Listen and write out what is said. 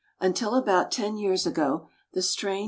Until about ten years ago, the strain no.